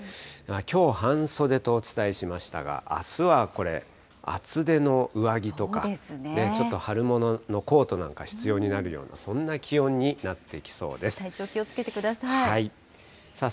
きょう半袖とお伝えしましたが、あすはこれ、厚手の上着とか、ちょっと春物のコートなんか必要になるような、体調気をつけてください。